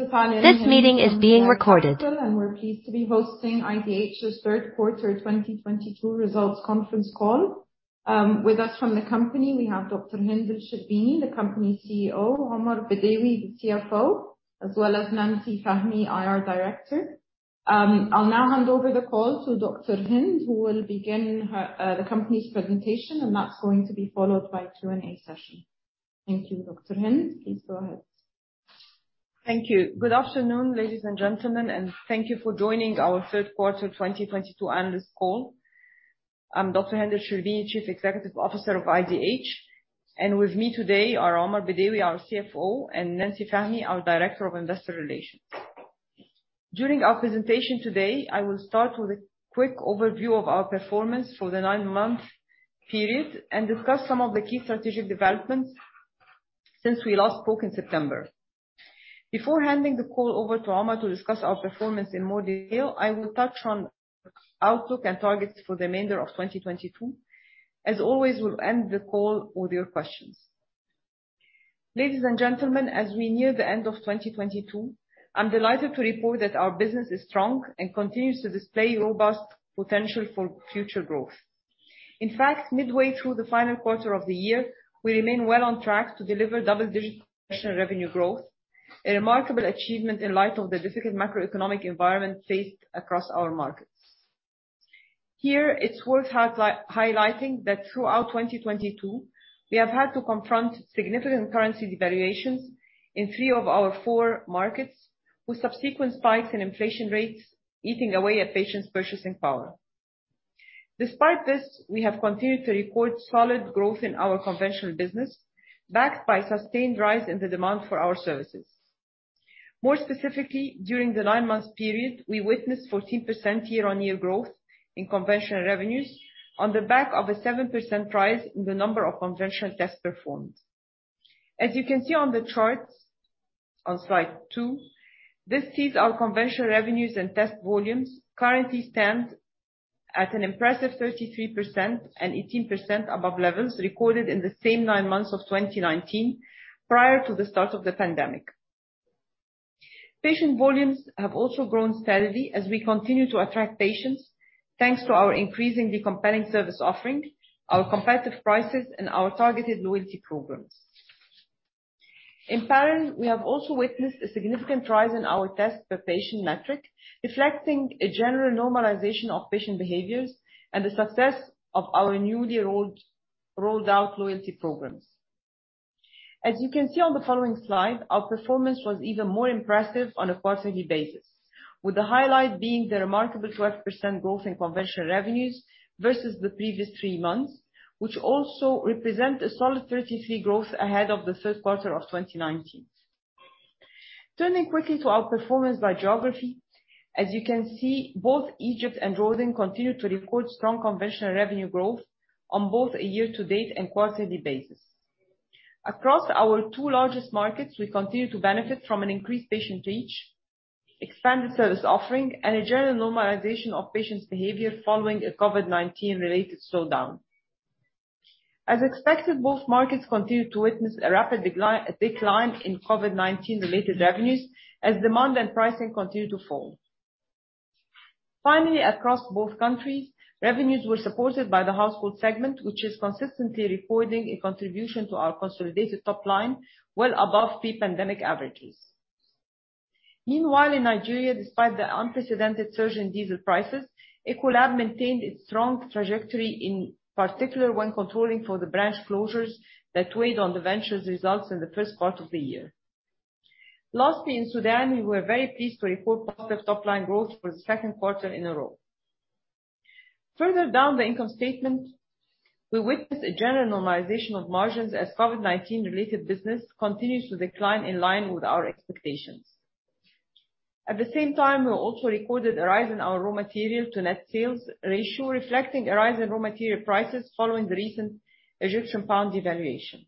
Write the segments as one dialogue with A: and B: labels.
A: This meeting is being recorded.
B: We're pleased to be hosting IDH's third quarter 2022 results conference call. With us from the company we have Dr. Hend El Sherbini, the company CEO. Omar Bedewy, the CFO. As well as Nancy Fahmy, IR Director. I'll now hand over the call to Dr. Hend, who will begin her the company's presentation, and that's going to be followed by Q&A session. Thank you, Dr. Hend, please go ahead.
C: Thank you. Good afternoon, ladies and gentlemen, thank you for joining our 3rd quarter 2022 analyst call. I'm Dr. Hend El Sherbini, Chief Executive Officer of IDH. With me today are Omar Bedewy, our CFO, and Nancy Fahmy, our Director of Investor Relations. During our presentation today, I will start with a quick overview of our performance for the 9-month period and discuss some of the key strategic developments since we last spoke in September. Before handing the call over to Omar to discuss our performance in more detail, I will touch on outlook and targets for the remainder of 2022. As always, we'll end the call with your questions. Ladies and gentlemen, as we near the end of 2022, I'm delighted to report that our business is strong and continues to display robust potential for future growth. In fact, midway through the final quarter of the year, we remain well on track to deliver double-digit revenue growth, a remarkable achievement in light of the difficult macroeconomic environment faced across our markets. Here, it's worth highlighting that throughout 2022, we have had to confront significant currency devaluations in three of our four markets, with subsequent spikes in inflation rates eating away at patients' purchasing power. Despite this, we have continued to report solid growth in our conventional business, backed by sustained rise in the demand for our services. More specifically, during the 9-month period, we witnessed 14% year-on-year growth in conventional revenues on the back of a 7% rise in the number of conventional tests performed. As you can see on the charts, on slide two, this sees our conventional revenues and test volumes currently stand at an impressive 33% and 18% above levels recorded in the same nine months of 2019 prior to the start of the pandemic. Patient volumes have also grown steadily as we continue to attract patients, thanks to our increasingly compelling service offering, our competitive prices, and our targeted loyalty programs. In parallel, we have also witnessed a significant rise in our tests per patient metric, reflecting a general normalization of patient behaviors and the success of our newly rolled out loyalty programs. As you can see on the following slide, our performance was even more impressive on a quarterly basis, with the highlight being the remarkable 12% growth in conventional revenues versus the previous three months, which also represent a solid 33% growth ahead of the third quarter of 2019. Turning quickly to our performance by geography. As you can see, both Egypt and Jordan continue to record strong conventional revenue growth on both a year to date and quarterly basis. Across our two largest markets, we continue to benefit from an increased patient reach, expanded service offering and a general normalization of patients' behavior following a COVID-19 related slowdown. As expected, both markets continue to witness a rapid decline in COVID-19 related revenues as demand and pricing continue to fall. Across both countries, revenues were supported by the household segment, which is consistently recording a contribution to our consolidated top line, well above pre-pandemic averages. Meanwhile, in Nigeria, despite the unprecedented surge in diesel prices, Echo-Lab maintained its strong trajectory, in particular when controlling for the branch closures that weighed on the venture's results in the first part of the year. In Sudan, we were very pleased to report positive top line growth for the second quarter in a row. Further down the income statement, we witnessed a general normalization of margins as COVID-19 related business continues to decline in line with our expectations. At the same time, we also recorded a rise in our raw material to net sales ratio, reflecting a rise in raw material prices following the recent Egyptian pound devaluation.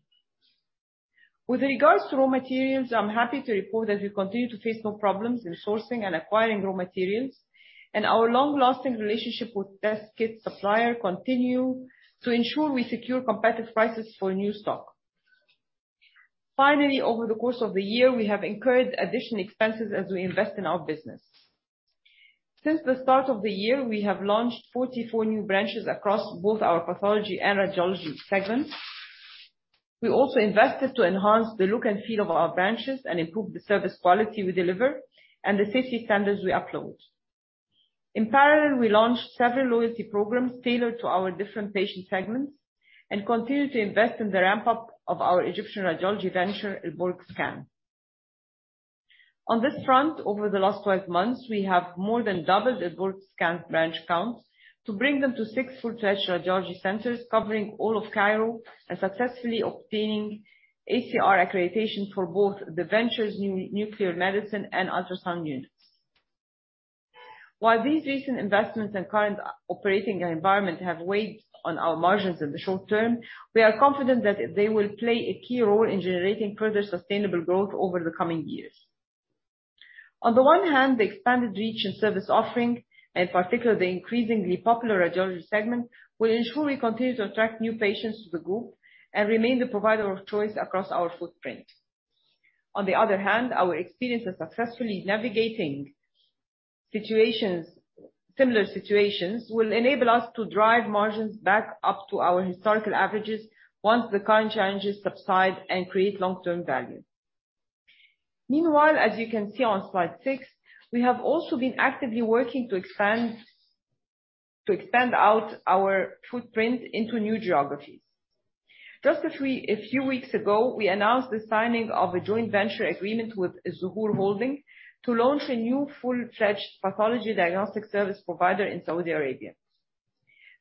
C: With regards to raw materials, I'm happy to report that we continue to face no problems in sourcing and acquiring raw materials, our long-lasting relationship with test kit supplier continue to ensure we secure competitive prices for new stock. Finally, over the course of the year, we have incurred additional expenses as we invest in our business. Since the start of the year, we have launched 44 new branches across both our pathology and radiology segments. We also invested to enhance the look and feel of our branches and improve the service quality we deliver and the safety standards we uphold. In parallel, we launched several loyalty programs tailored to our different patient segments and continue to invest in the ramp-up of our Egyptian radiology venture, Al Borg Scan. On this front, over the last 12 months, we have more than doubled Al Borg Scan branch counts to bring them to six full-fledged radiology centers covering all of Cairo and successfully obtaining ACR accreditation for both the ventures in nuclear medicine and ultrasound units. While these recent investments and current operating environment have weighed on our margins in the short term, we are confident that they will play a key role in generating further sustainable growth over the coming years. On the one hand, the expanded reach and service offering, and in particular, the increasingly popular radiology segment, will ensure we continue to attract new patients to the group and remain the provider of choice across our footprint. Our experience of successfully navigating similar situations will enable us to drive margins back up to our historical averages once the current challenges subside and create long-term value. Meanwhile, as you can see on slide six, we have also been actively working to expand out our footprint into new geographies. Just a few weeks ago, we announced the signing of a joint venture agreement with Izhoor Holding to launch a new full-fledged pathology diagnostic service provider in Saudi Arabia.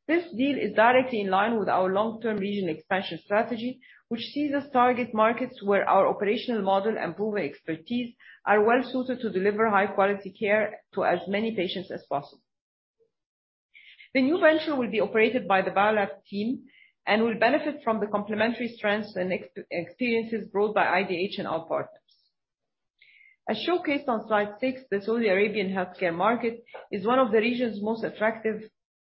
C: This deal is directly in line with our long-term regional expansion strategy, which sees us target markets where our operational model and proven expertise are well suited to deliver high quality care to as many patients as possible. The new venture will be operated by the Biolab team and will benefit from the complementary strengths and experiences brought by IDH and our partners. As showcased on slide six, the Saudi Arabian healthcare market is one of the region's most attractive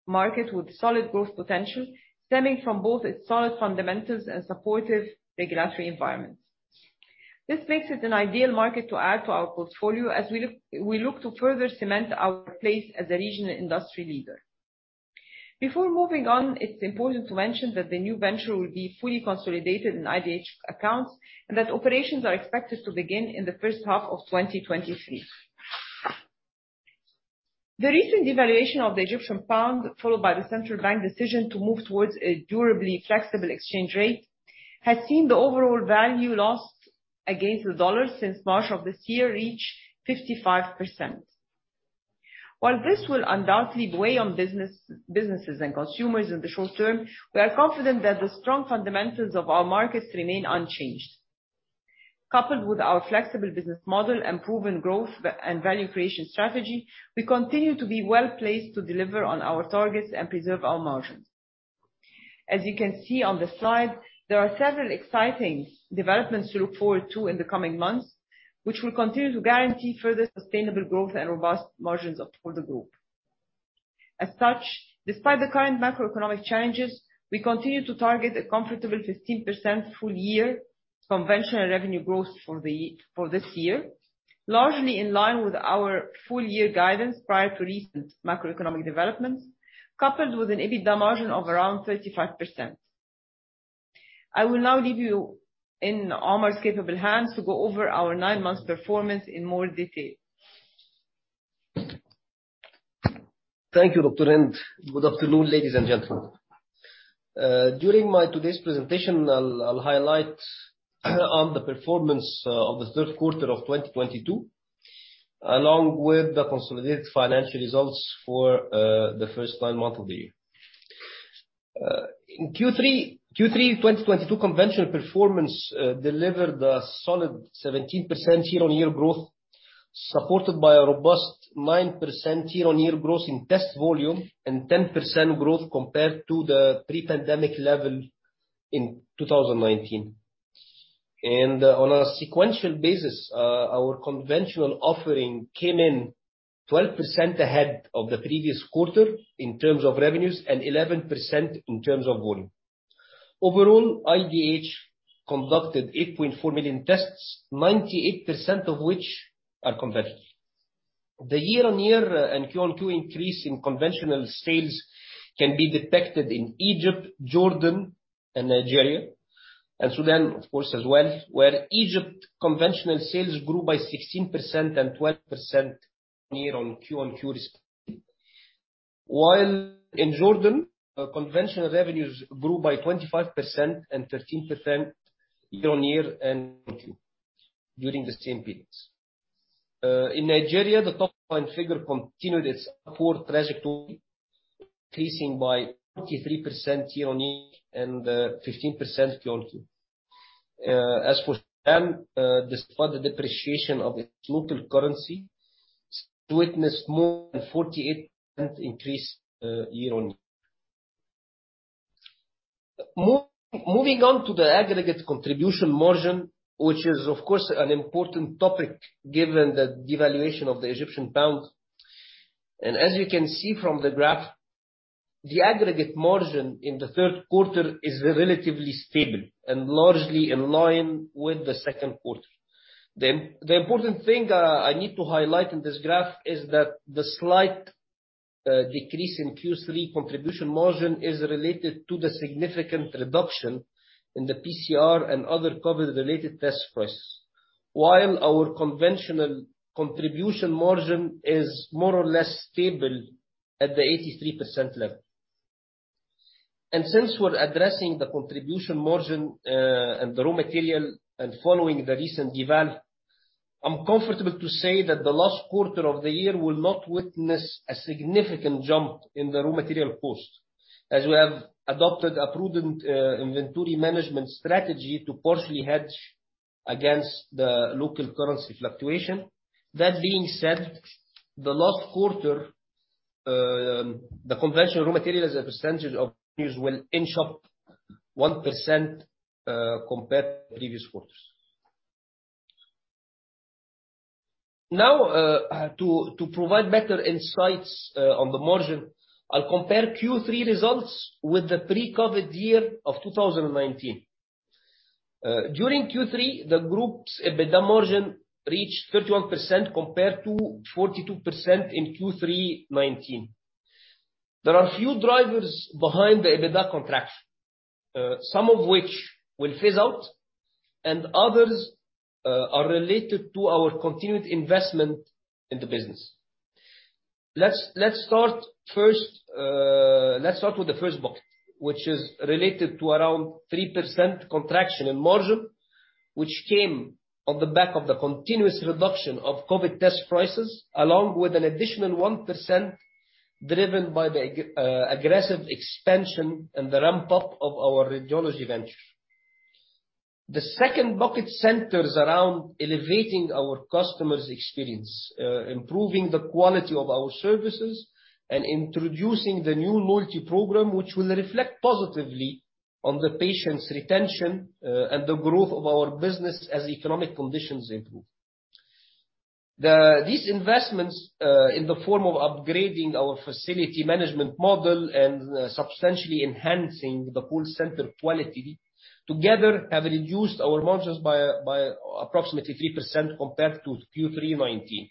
C: market with solid growth potential, stemming from both its solid fundamentals and supportive regulatory environment. This makes it an ideal market to add to our portfolio as we look to further cement our place as a regional industry leader. Before moving on, it's important to mention that the new venture will be fully consolidated in IDH accounts and that operations are expected to begin in the first half of 2023. The recent devaluation of the Egyptian pound, followed by the central bank decision to move towards a durably flexible exchange rate, has seen the overall value lost against the dollar since March of this year reach 55%. While this will undoubtedly weigh on businesses and consumers in the short term, we are confident that the strong fundamentals of our markets remain unchanged. Coupled with our flexible business model and proven growth and value creation strategy, we continue to be well-placed to deliver on our targets and preserve our margins. As you can see on the slide, there are several exciting developments to look forward to in the coming months, which will continue to guarantee further sustainable growth and robust margins for the group. As such, despite the current macroeconomic challenges, we continue to target a comfortable 15% full year conventional revenue growth for this year, largely in line with our full year guidance prior to recent macroeconomic developments, coupled with an EBITDA margin of around 35%. I will now leave you in Omar's capable hands to go over our nine months performance in more detail.
D: Thank you, doctor, and good afternoon, ladies and gentlemen. During my today's presentation I'll highlight on the performance of the third quarter of 2022, along with the consolidated financial results for the first nine month of the year. In Q3 2022 conventional performance delivered a solid 17% year-on-year growth, supported by a robust 9% year-on-year growth in test volume and 10% growth compared to the pre-pandemic level in 2019. On a sequential basis, our conventional offering came in 12% ahead of the previous quarter in terms of revenues and 11% in terms of volume. Overall, IDH conducted 8.4 million tests, 98% of which are conventional. The year-on-year and QoQ increase in conventional sales can be detected in Egypt, Jordan, Nigeria, and Sudan, of course, as well, where Egypt conventional sales grew by 16% and 12% year-on-year and QoQ respectively. While in Jordan, conventional revenues grew by 25% and 13% year-on-year and QoQ during the same periods. In Nigeria, the top line figure continued its upward trajectory, increasing by 43% year-on-year and 15% QoQ. As for Sudan, despite the depreciation of its local currency, still witnessed more than 48% increase year-on-year. Moving on to the aggregate contribution margin, which is of course an important topic given the devaluation of the Egyptian pound. As you can see from the graph, the aggregate margin in the third quarter is relatively stable and largely in line with the second quarter. The important thing that I need to highlight in this graph is that the slight decrease in Q3 contribution margin is related to the significant reduction in the PCR and other COVID-related test price. While our conventional contribution margin is more or less stable at the 83% level. Since we're addressing the contribution margin and the raw material and following the recent deval, I'm comfortable to say that the last quarter of the year will not witness a significant jump in the raw material cost, as we have adopted a prudent inventory management strategy to partially hedge against the local currency fluctuation. That being said, the last quarter, the conventional raw material as a percentage of use will inch up 1% compared to previous quarters. To provide better insights on the margin, I'll compare Q3 results with the pre-COVID year of 2019. During Q3, the group's EBITDA margin reached 31% compared to 42% in Q3 2019. There are a few drivers behind the EBITDA contraction, some of which will phase out, and others are related to our continued investment in the business. Let's start with the first bucket, which is related to around 3% contraction in margin. Which came on the back of the continuous reduction of COVID test prices, along with an additional 1% driven by the aggressive expansion and the ramp-up of our radiology venture. The second bucket centers around elevating our customers' experience, improving the quality of our services and introducing the new loyalty program, which will reflect positively on the patient's retention and the growth of our business as economic conditions improve. These investments in the form of upgrading our facility management model and substantially enhancing the call center quality together have reduced our margins by approximately 3% compared to Q3 2019.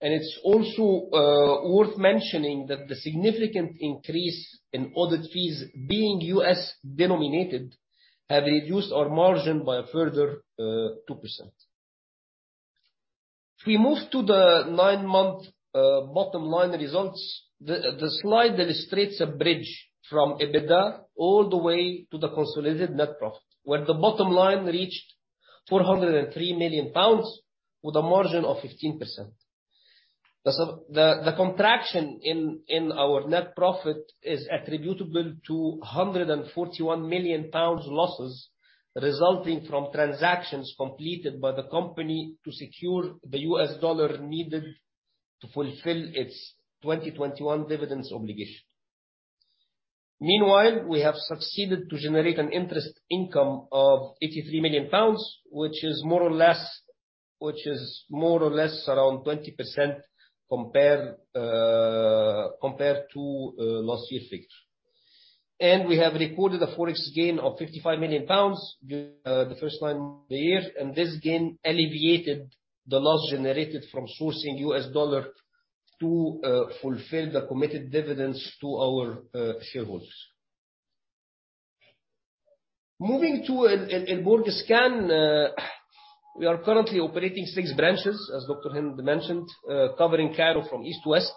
D: It's also worth mentioning that the significant increase in audit fees being U.S.-denominated have reduced our margin by a further 2%. If we move to the 9-month bottom line results, the slide illustrates a bridge from EBITDA all the way to the consolidated net profit, where the bottom line reached 403 million pounds with a margin of 15%. The contraction in our net profit is attributable to 141 million pounds losses resulting from transactions completed by the company to secure the US dollar needed to fulfill its 2021 dividends obligation. Meanwhile, we have succeeded to generate an interest income of 83 million pounds, which is more or less around 20% compare compared to last year's figure. We have recorded a Forex gain of 55 million pounds the first nine months of the year. This gain alleviated the loss generated from sourcing US dollar to fulfill the committed dividends to our shareholders. Moving to Al Borg Scan, we are currently operating six branches, as Dr. Hend mentioned, covering Cairo from East to West.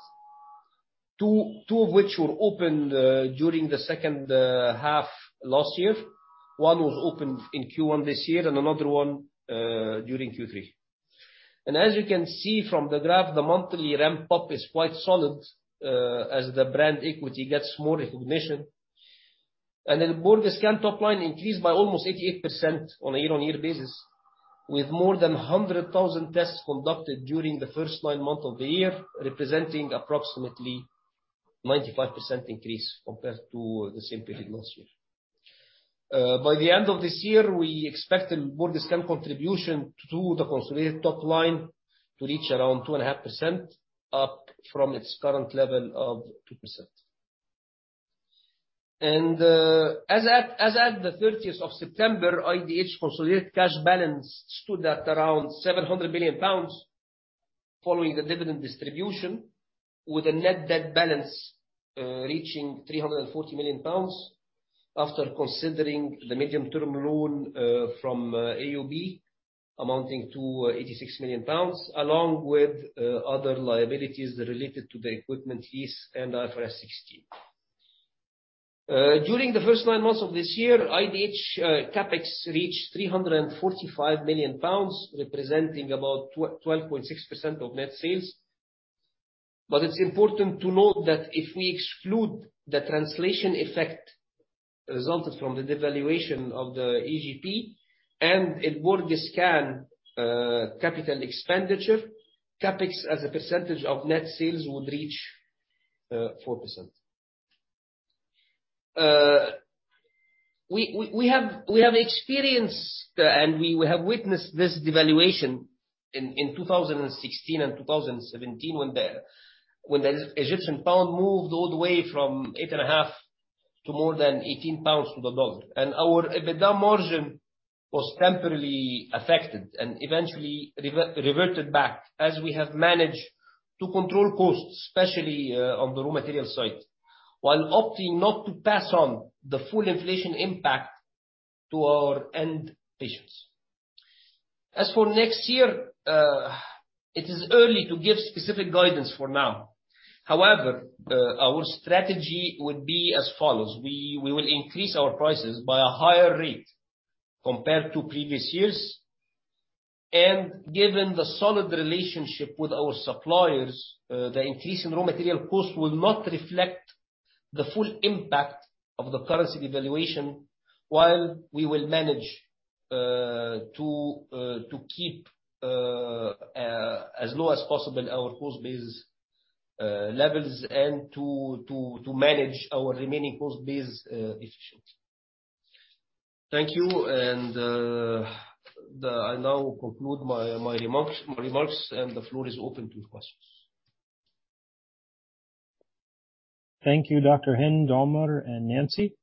D: Two of which were opened during the second half last year. One was opened in Q1 this year and another one during Q3. As you can see from the graph, the monthly ramp up is quite solid as the brand equity gets more recognition. Al Borg Scan top line increased by almost 88% on a year-on-year basis, with more than 100,000 tests conducted during the first nine months of the year, representing approximately 95% increase compared to the same period last year. By the end of this year, we expect Al Borg Scan contribution to the consolidated top line to reach around 2.5% up from its current level of 2%. As at the 30th of September, IDH consolidated cash balance stood at around 700 million pounds following the dividend distribution, with a net debt balance reaching 340 million pounds after considering the medium-term loan from AUB amounting to 86 million pounds, along with other liabilities related to the equipment lease and IFRS 16. During the first nine months of this year, IDH CapEx reached 345 million pounds, representing about 12.6% of net sales. It's important to note that if we exclude the translation effect resulted from the devaluation of the EGP and Al Borg Scan capital expenditure, CapEx as a percentage of net sales would reach 4%. We have experienced and we have witnessed this devaluation in 2016 and 2017 when the Egyptian pound moved all the way from 8.5 to more than 18 pounds to the dollar. Our EBITDA margin was temporarily affected and eventually reverted back as we have managed to control costs, especially on the raw material side, while opting not to pass on the full inflation impact to our end patients. As for next year, it is early to give specific guidance for now. However, our strategy would be as follows. We will increase our prices by a higher rate compared to previous years. Given the solid relationship with our suppliers, the increase in raw material costs will not reflect the full impact of the currency devaluation, while we will manage to keep as low as possible our cost base levels and to manage our remaining cost base efficiently. Thank you. I now conclude my remarks, and the floor is open to questions.
A: Thank you, Dr. Hend, Omar, and Nancy.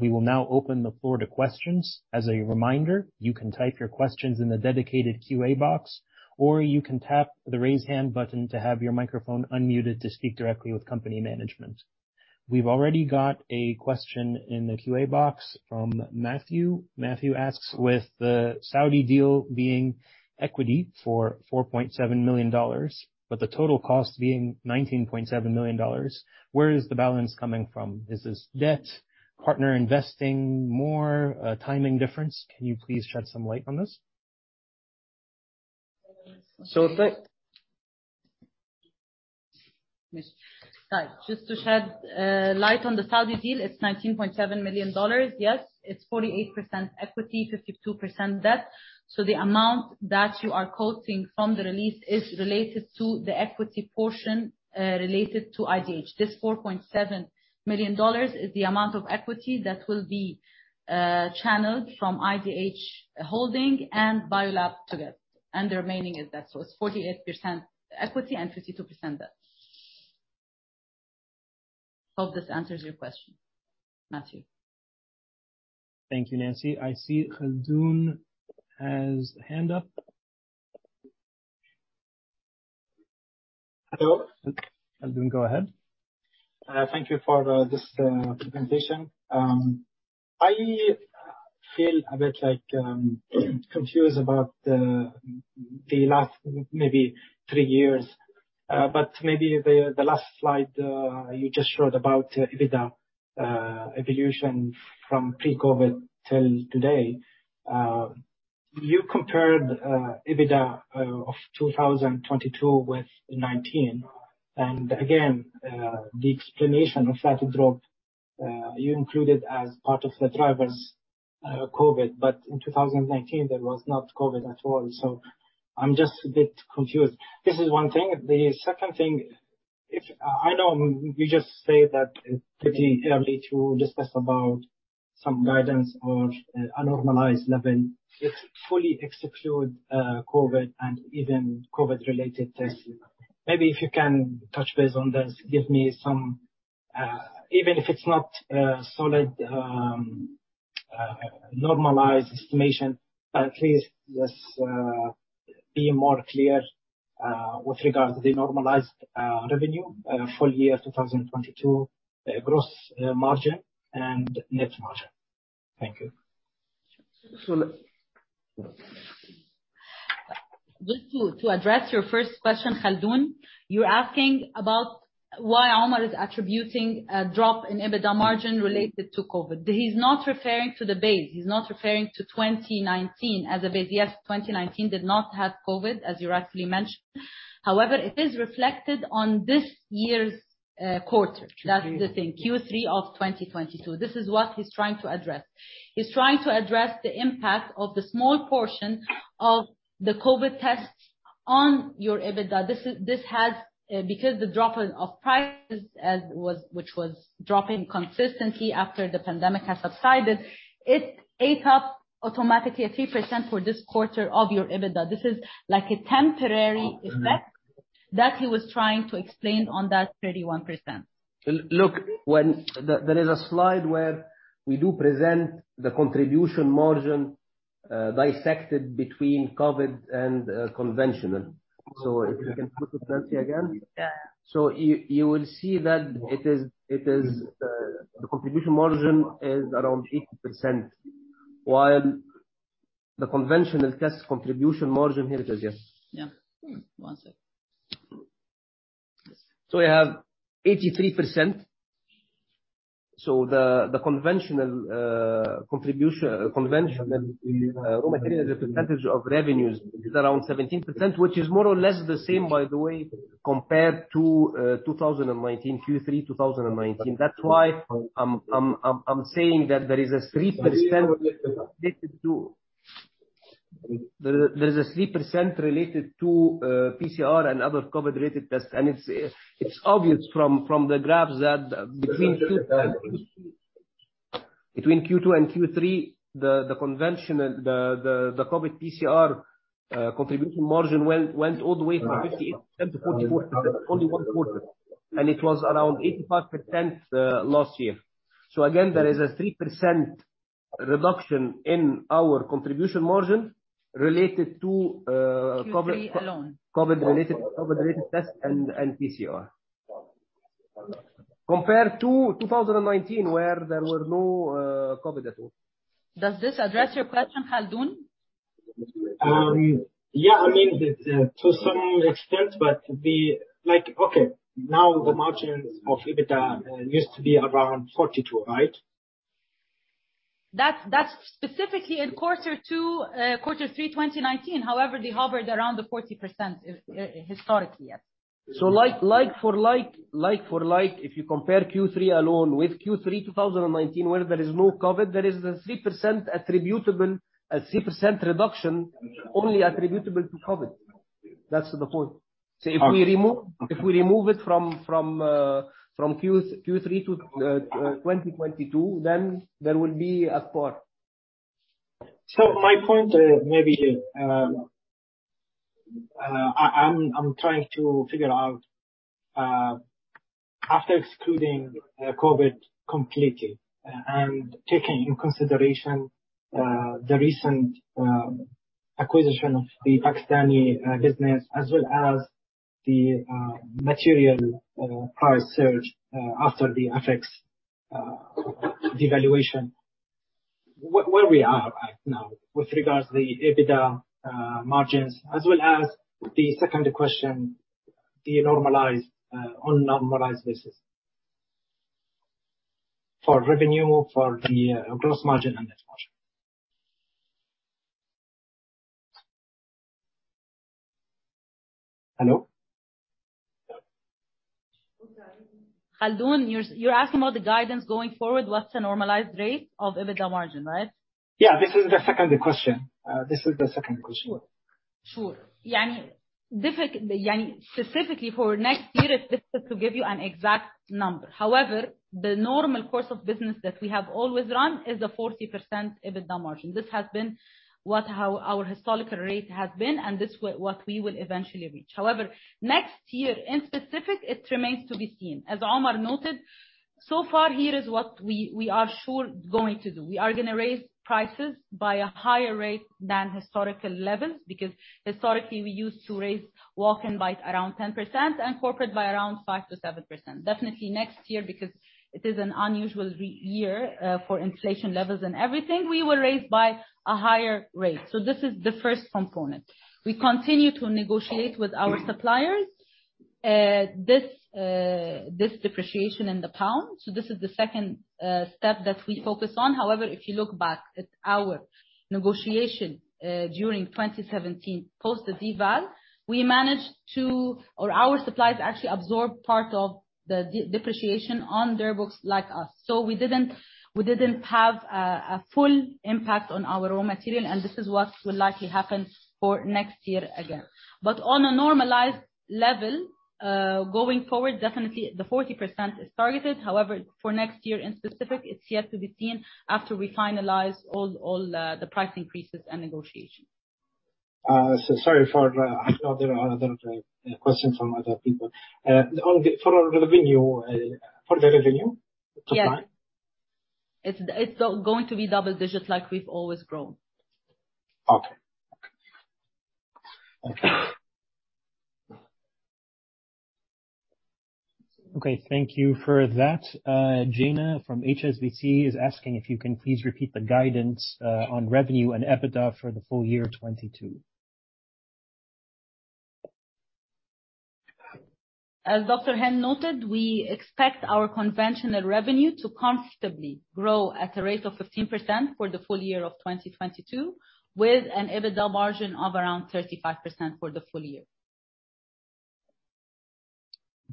A: We will now open the floor to questions. As a reminder, you can type your questions in the dedicated Q&A box, or you can tap the Raise Hand button to have your microphone unmuted to speak directly with company management. We've already got a question in the Q&A box from Matthew. Matthew asks: With the Saudi deal being equity for $4.7 million, but the total cost being $19.7 million, where is the balance coming from? Is this debt, partner investing more, a timing difference? Can you please shed some light on this?
D: So if I-
B: Yes. Hi. Just to shed light on the Saudi deal, it's $19.7 million, yes. It's 48% equity, 52% debt. The amount that you are quoting from the release is related to the equity portion related to IDH. This $4.7 million is the amount of equity that will be channeled from IDH Holding and Biolab together, and the remaining is debt. It's 48% equity and 52% debt. Hope this answers your question, Matthew.
A: Thank you, Nancy. I see Khaldoon has hand up.
E: Hello.
A: Khaldoon, go ahead.
E: Thank you for this presentation. I feel a bit like confused about the last maybe three years. Maybe the last slide you just showed about EBITDA evolution from pre-COVID till today. You compared EBITDA of 2022 with 2019. Again, the explanation of that drop you included as part of the drivers, COVID. In 2019, there was not COVID at all. I'm just a bit confused. This is one thing. The second thing, I know you just said that it's pretty early to discuss about some guidance on a normalized level if fully exclude COVID and even COVID related tests. Maybe if you can touch base on this, give me some, even if it's not solid, normalized estimation but at least just be more clear with regards to the normalized revenue, full year 2022, gross margin and net margin. Thank you.
C: Just to address your first question, Khaldoon, you're asking about why Omar is attributing a drop in EBITDA margin related to COVID. He's not referring to the base. He's not referring to 2019 as a base. Yes, 2019 did not have COVID, as you rightly mentioned. However, it is reflected on this year's quarter. That's the thing, Q3 of 2022. This is what he's trying to address. He's trying to address the impact of the small portion of the COVID tests on your EBITDA. This has because the drop of prices which was dropping consistently after the pandemic has subsided, it ate up automatically a 3% for this quarter of your EBITDA. This is like a temporary effect that he was trying to explain on that 31%.
D: Look, there is a slide where we do present the contribution margin, dissected between COVID and conventional. If you can go to Nancy again.
B: Yeah.
D: You will see that it is the contribution margin is around 8%. While the conventional test contribution margin. Here it is. Yes.
B: Yeah. One sec.
D: We have 83%. The conventional contribution, conventional raw material as a percentage of revenues is around 17%, which is more or less the same, by the way, compared to 2019, Q3 2019. That's why I'm saying that there is a 3% related to... There is a 3% related to PCR and other COVID-related tests. It's obvious from the graphs that between Q2 and Q3, the conventional, the COVID PCR contribution margin went all the way from 58% to 44%, only one quarter. It was around 85% last year. Again, there is a 3% reduction in our contribution margin related to-
B: Q3 alone.
D: COVID-related tests and PCR. Compared to 2019, where there were no COVID at all.
B: Does this address your question, Khaldoon?
E: Yeah, I mean, it, to some extent, Like, okay, now the margins of EBITDA used to be around 42%, right?
B: That's specifically in quarter two, quarter three, 2019. They hovered around the 40% historically, yeah.
D: Like for like, if you compare Q3 alone with Q3 2019 where there is no COVID, there is a 3% reduction only attributable to COVID. That's the point.
C: Okay.
D: If we remove it from Q3 to 2022, then there will be as per.
F: My point, maybe, I'm, I'm trying to figure out, after excluding COVID completely and taking into consideration, the recent acquisition of the Pakistani business, as well as the material price surge, after the FX devaluation, where we are right now with regards to the EBITDA margins, as well as the second question, the normalized, unnormalized basis for revenue, for the gross margin and net margin.
E: Hello?
C: Khaldoon, you're asking about the guidance going forward, what's the normalized rate of EBITDA margin, right?
E: Yeah, this is the second question.
C: Sure. Sure, and specifically for next year, it's difficult to give you an exact number. However, the normal course of business that we have always run is a 40% EBITDA margin. This has been how our historical rate has been, and this what we will eventually reach. However, next year in specific, it remains to be seen. As Omar noted, so far here is what we are sure going to do. We are gonna raise prices by a higher rate than historical levels, because historically we used to raise walk-in by around 10% and corporate by around 5%-7%. Definitely next year, because it is an unusual year for inflation levels and everything, we will raise by a higher rate. This is the first component. We continue to negotiate with our suppliers, this depreciation in the pound. This is the second step that we focus on. However, if you look back at our negotiation during 2017 post the deval, our suppliers actually absorbed part of the depreciation on their books like us. We didn't have a full impact on our raw material, and this is what will likely happen for next year again. On a normalized level, going forward, definitely the 40% is targeted. However, for next year in specific, it's yet to be seen after we finalize all the price increases and negotiation.
E: Sorry for, I know there are other, questions from other people. on the... For our revenue,
C: Yes.
E: to come.
C: It's going to be double digit like we've always grown.
E: Okay. Okay.
A: Thank you for that. Jayna from HSBC is asking if you can please repeat the guidance on revenue and EBITDA for the full year 22?
C: As Dr. Hend noted, we expect our conventional revenue to comfortably grow at a rate of 15% for the full year of 2022, with an EBITDA margin of around 35% for the full year.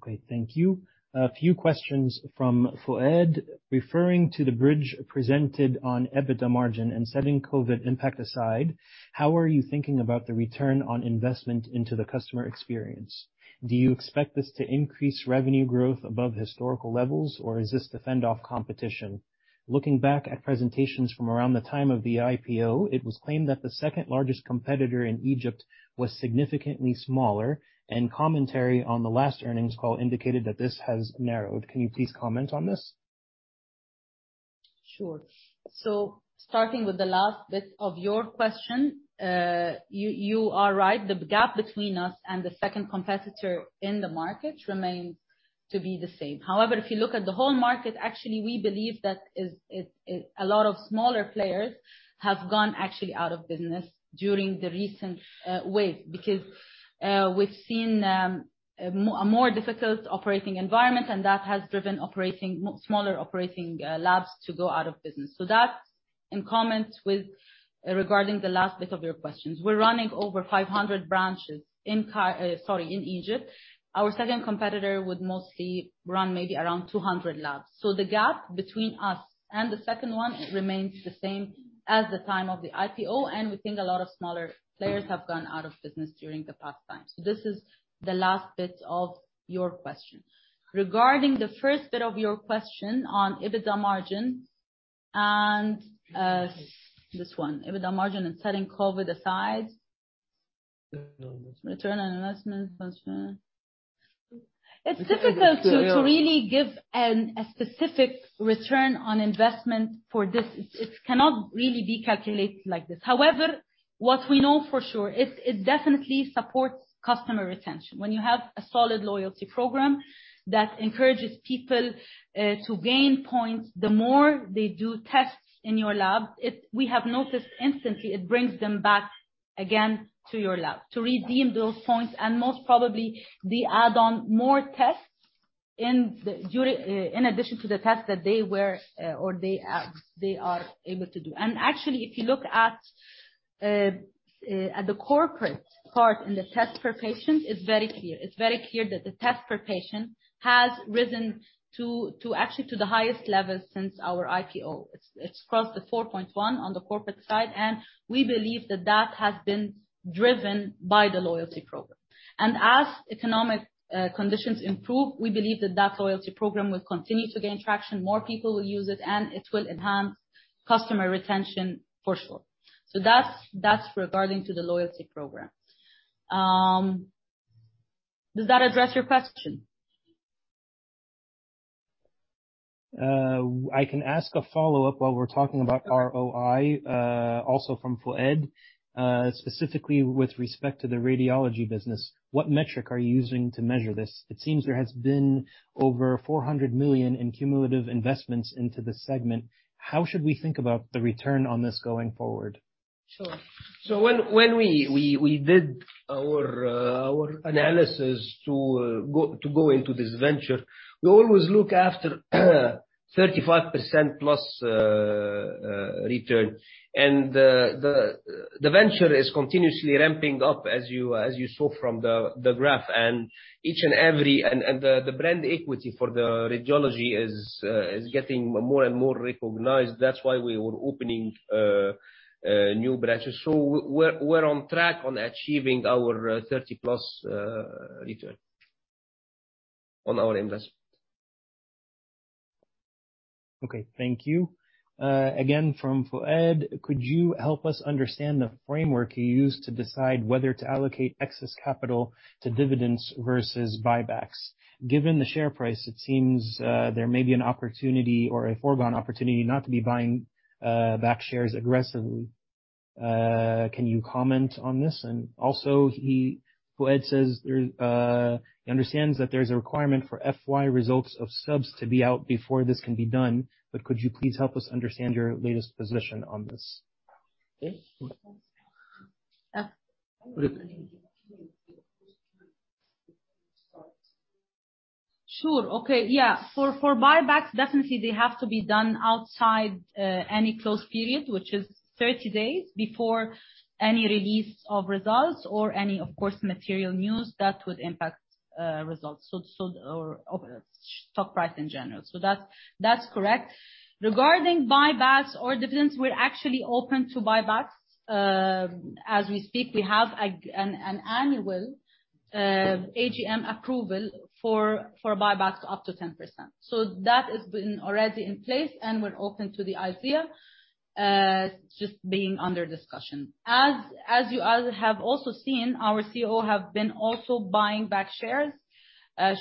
A: Okay, thank you. A few questions from Fouad. Referring to the bridge presented on EBITDA margin and setting COVID impact aside, how are you thinking about the return on investment into the customer experience? Do you expect this to increase revenue growth above historical levels, or is this to fend off competition? Looking back at presentations from around the time of the IPO, it was claimed that the second largest competitor in Egypt was significantly smaller, and commentary on the last earnings call indicated that this has narrowed. Can you please comment on this?
C: Sure. Starting with the last bit of your question, you are right. The gap between us and the second competitor in the market remains to be the same. If you look at the whole market, actually we believe that a lot of smaller players have gone actually out of business during the recent wave. We've seen a more difficult operating environment and that has driven operating, smaller operating labs to go out of business. That's in comment with regarding the last bit of your questions. We're running over 500 branches in Egypt. Our second competitor would mostly run maybe around 200 labs. The gap between us and the second one remains the same as the time of the IPO, and we think a lot of smaller players have gone out of business during the past time. This is the last bit of your question. Regarding the first bit of your question on EBITDA margin and this one, EBITDA margin and setting COVID aside.
B: Return on investment.
C: Return on investment. It's difficult to really give an a specific return on investment for this. It cannot really be calculated like this. However, what we know for sure, it definitely supports customer retention. When you have a solid loyalty program that encourages people to gain points, the more they do tests in your lab, we have noticed instantly it brings them back again to your lab to redeem those points and most probably they add on more tests. In the during in addition to the test that they were or they are able to do. Actually, if you look at at the corporate part in the test per patient, it's very clear. It's very clear that the test per patient has risen to actually to the highest level since our IPO. It's crossed the 4.1 on the corporate side. We believe that that has been driven by the loyalty program. As economic conditions improve, we believe that that loyalty program will continue to gain traction, more people will use it, and it will enhance customer retention for sure. That's regarding to the loyalty program. Does that address your question?
A: I can ask a follow-up while we're talking about ROI, also from Fouad. Specifically with respect to the radiology business, what metric are you using to measure this? It seems there has been over 400 million in cumulative investments into this segment. How should we think about the return on this going forward?
B: Sure.
D: When we did our analysis to go into this venture, we always look after 35% plus return. The venture is continuously ramping up as you saw from the graph. The brand equity for the radiology is getting more and more recognized. That's why we were opening new branches. We're on track on achieving our 30-plus return on our investment.
A: Okay. Thank you. Again from Fouad: Could you help us understand the framework you use to decide whether to allocate excess capital to dividends versus buybacks? Given the share price, it seems, there may be an opportunity or a foregone opportunity not to be buying back shares aggressively. Can you comment on this? Also Fouad says there, he understands that there's a requirement for FY results of subs to be out before this can be done, but could you please help us understand your latest position on this?
B: Sure. Okay. Yeah. For buybacks, definitely they have to be done outside any close period, which is 30 days before any release of results or any, of course, material news that would impact results or stock price in general. That's correct. Regarding buybacks or dividends, we're actually open to buybacks as we speak. We have an annual AGM approval for buybacks up to 10%. That has been already in place, and we're open to the idea just being under discussion. As you all have also seen, our CEO have been also buying back shares.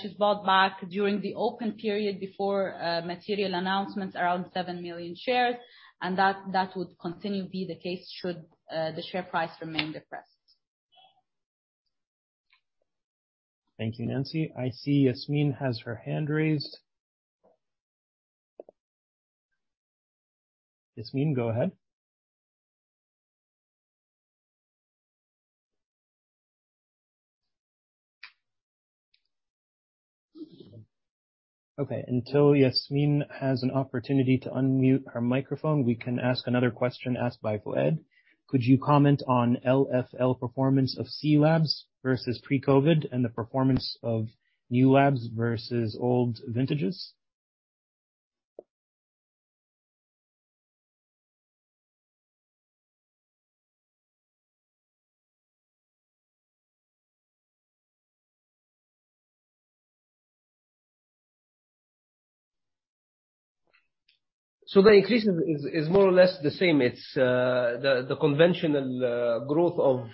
B: She's bought back during the open period before material announcements around 7 million shares, and that would continue to be the case should the share price remain depressed.
A: Thank you, Nancy. I see Yasmin has her hand raised. Yasmin, go ahead. Until Yasmin has an opportunity to unmute her microphone, we can ask another question asked by Fouad. Could you comment on LFL performance of C-labs versus pre-COVID and the performance of new labs versus old vintages?
D: The increase is more or less the same. It's the conventional growth of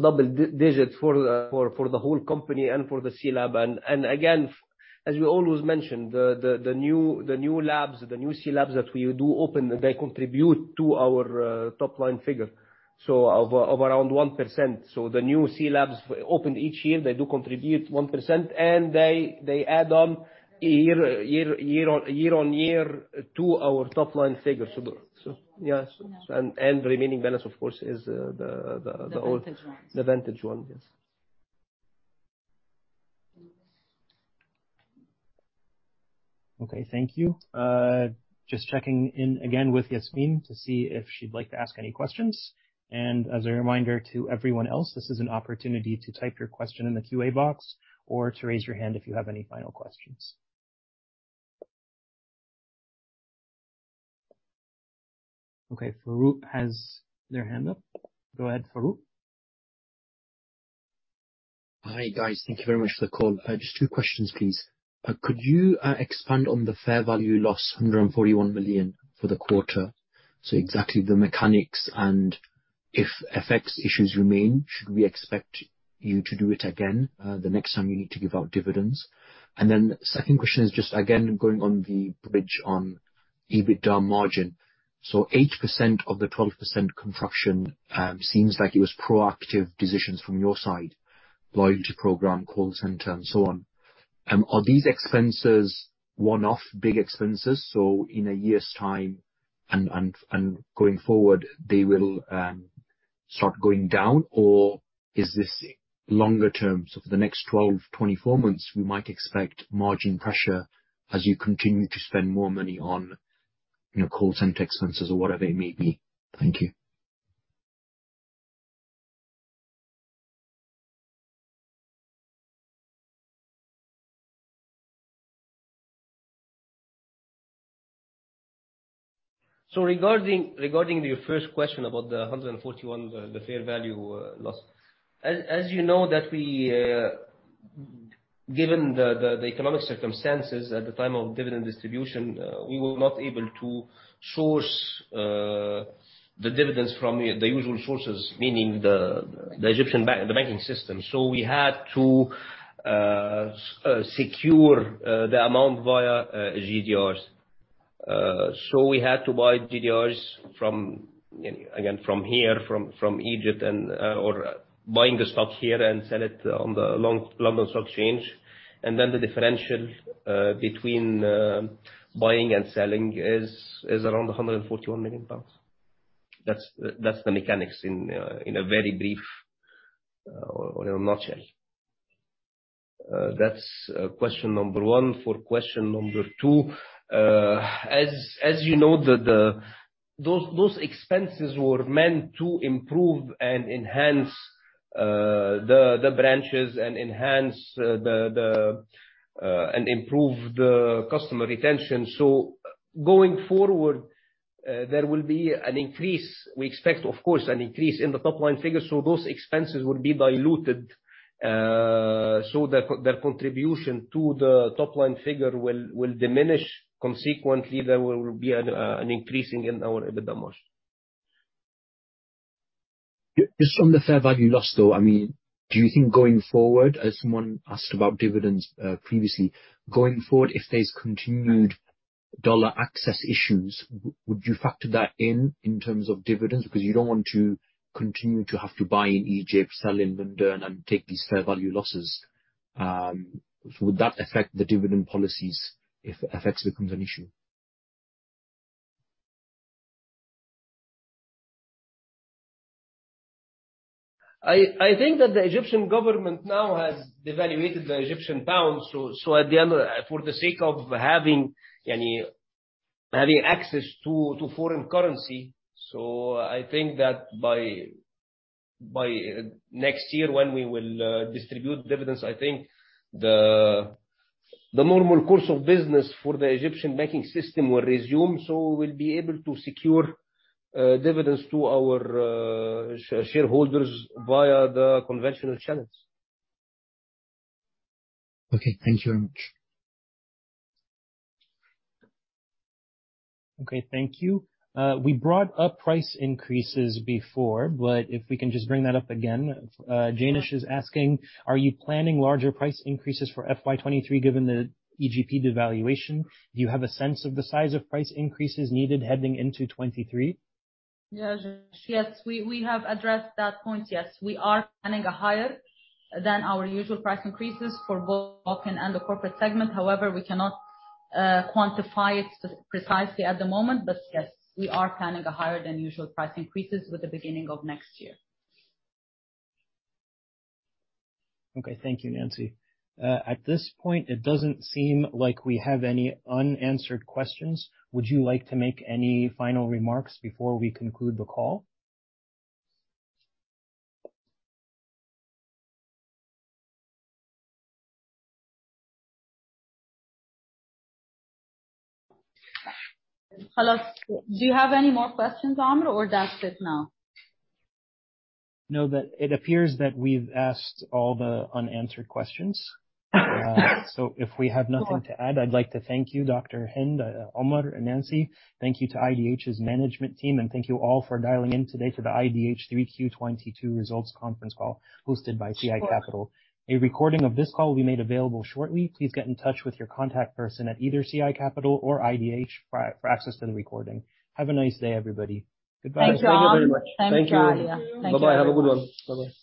D: double-digit for the whole company and for the C-lab. Again, as we always mention, the new labs, the new C-labs that we do open, they contribute to our top line figure, around 1%. The new C-labs opened each year, they do contribute 1%, and they add on year on year to our top line figures. Yes. Remaining balance of course is the old-
B: The vintage ones.
D: The vintage one. Yes.
A: Okay. Thank you. Just checking in again with Yasmin to see if she'd like to ask any questions. As a reminder to everyone else, this is an opportunity to type your question in the QA box or to raise your hand if you have any final questions. Okay, Farouk has their hand up. Go ahead, Farouk.
G: Hi, guys. Thank you very much for the call. Just two questions, please. Could you expand on the fair value loss, 141 million, for the quarter? Exactly the mechanics and if FX issues remain, should we expect you to do it again the next time you need to give out dividends? Second question is just again going on the bridge on EBITDA margin. 8% of the 12% contraction seems like it was proactive decisions from your side, loyalty program, call center, and so on. Are these expenses one-off big expenses? In a year's time and going forward, they will start going down or is this longer term? For the next 12, 24 months, we might expect margin pressure as you continue to spend more money on, you know, call center expenses or whatever it may be. Thank you.
D: Regarding your first question about the 141, the fair value loss. As you know that we, given the economic circumstances at the time of dividend distribution, we were not able to source the dividends from the usual sources, meaning the Egyptian bank, the banking system. We had to secure the amount via GDRs. We had to buy GDRs from Again, from here, from Egypt and or buying the stock here and sell it on the London Stock Exchange. The differential between buying and selling is around 141 million pounds. That's the mechanics in a very brief or in a nutshell. That's question number one. For question number two, as you know, the Those expenses were meant to improve and enhance the branches and enhance the, and improve the customer retention. Going forward, there will be an increase. We expect, of course, an increase in the top line figures, so those expenses will be diluted. Their contribution to the top line figure will diminish. Consequently, there will be an increasing in our EBITDA margin.
G: Just from the fair value loss, though, I mean, do you think going forward, as someone asked about dividends, previously? Going forward, if there's continued dollar access issues, would you factor that in in terms of dividends? Because you don't want to continue to have to buy in Egypt, sell in London and take these fair value losses? Would that affect the dividend policies if FX becomes an issue?
D: I think that the Egyptian government now has devaluated the Egyptian pound, so at the end of the for the sake of having, you know, having access to foreign currency. I think that by next year when we will distribute dividends, I think the normal course of business for the Egyptian banking system will resume, so we'll be able to secure dividends to our shareholders via the conventional channels.
G: Okay, thank you very much.
A: Okay, thank you. We brought up price increases before, but if we can just bring that up again. Janesh is asking, are you planning larger price increases for FY 23, given the EGP devaluation? Do you have a sense of the size of price increases needed heading into 23?
B: Yeah. Yes. We have addressed that point. Yes. We are planning a higher than our usual price increases for both walk-in and the corporate segment. However, we cannot quantify it precisely at the moment. Yes, we are planning a higher than usual price increases with the beginning of next year.
A: Okay. Thank you, Nancy. At this point, it doesn't seem like we have any unanswered questions. Would you like to make any final remarks before we conclude the call?
C: Hello. Do you have any more questions, Amir, or that's it now?
A: It appears that we've asked all the unanswered questions. If we have nothing to add, I'd like to thank you, Dr. Hend, Omar and Nancy. Thank you to IDH's management team, thank you all for dialing in today to the IDH 3Q 2022 results conference call hosted by CI Capital. A recording of this call will be made available shortly. Please get in touch with your contact person at either CI Capital or IDH for access to the recording. Have a nice day, everybody. Goodbye.
C: Thanks all.
D: Thank you very much.
C: Thanks to all of you.
D: Thank you. Bye-bye. Have a good one. Bye-bye.